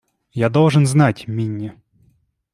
Я должен знать, Минни!